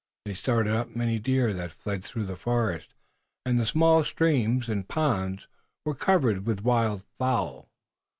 They started up many deer that fled through the forest, and the small streams and ponds were covered with wild fowl.